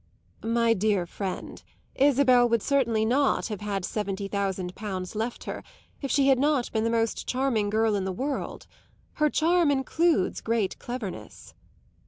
"My dear friend, Isabel would certainly not have had seventy thousand pounds left her if she had not been the most charming girl in the world. Her charm includes great cleverness."